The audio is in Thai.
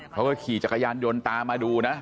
เขาก็ขี่จักรยานยนต์ตามมาดูนะ